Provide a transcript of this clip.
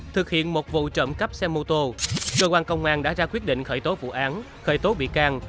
thực hiện một vụ trộm cắp xe mô tô cơ quan công an đã ra quyết định khởi tố vụ án khởi tố bị can